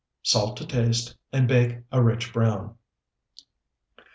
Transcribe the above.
Salt to taste and bake a rich brown.